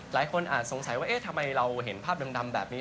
อาจสงสัยว่าเอ๊ะทำไมเราเห็นภาพดำแบบนี้